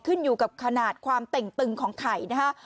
ขึ้นอยู่กับขนาดความเต่งตึงของไข่นะฮะ